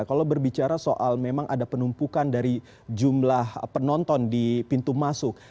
kalau berbicara soal memang ada penumpukan dari jumlah penonton di pintu masuk